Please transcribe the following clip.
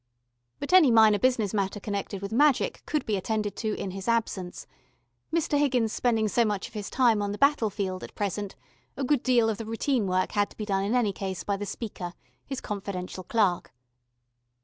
But any minor business matter connected with magic could be attended to in his absence. Mr. Higgins spending so much of his time on the battlefield at present, a good deal of the routine work had to be done in any case by the speaker, his confidential clerk.